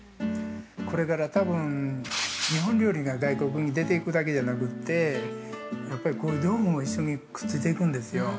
これから多分、日本料理が外国に出ていくだけじゃなくてやっぱり、こういう道具も一緒にくっついていくんですよ。